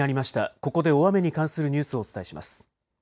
ここで大雨に関するニュースをお伝えします。